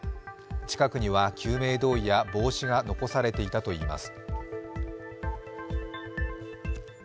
近くには救命胴衣や帽子が残されていたといいます。